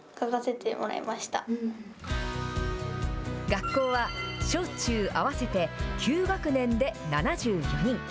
学校は小中合わせて９学年で７４人。